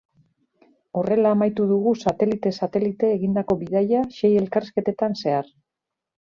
Horrela amaitu dugu satelitez satelite egindako bidaia sei elkarrizketetan zehar.